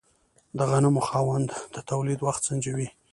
د غنمو خاوند د تولید وخت سنجوي.